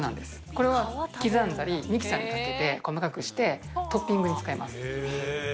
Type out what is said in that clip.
これは刻んだりミキサーにかけて細かくしてトッピングに使います。